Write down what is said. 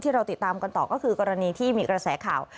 เราติดตามกันต่อก็คือกรณีที่มีกระแสข่าว